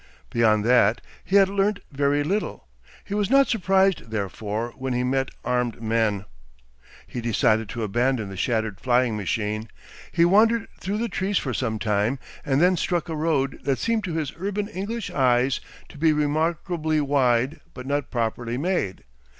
Beyond that he had learnt very little. He was not surprised therefore when he met armed men. He decided to abandon the shattered flying machine. He wandered through the trees for some time, and then struck a road that seemed to his urban English eyes to be remarkably wide but not properly "made."